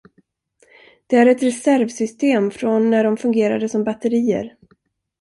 Det är ett reservsystem från när de fungerade som batterier.